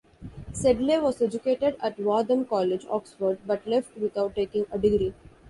Sedley was educated at Wadham College, Oxford, but left without taking a degree.